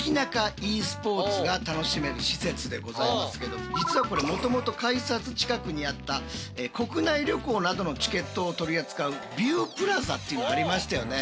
ｅスポーツが楽しめる施設でございますけど実はこれもともと改札近くにあった国内旅行などのチケットを取り扱う「びゅうプラザ」っていうのありましたよね。